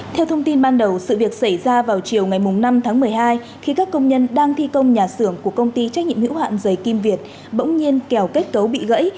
theo thông tin ban đầu sự việc xảy ra vào chiều ngày năm tháng một mươi hai khi các công nhân đang thi công nhà xưởng của công ty trách nhiệm hữu hạn giấy kim việt bỗng nhiên kèo kết cấu bị gãy